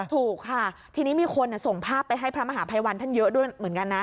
ถูกค่ะทีนี้มีคนส่งภาพไปให้พระมหาภัยวันท่านเยอะด้วยเหมือนกันนะ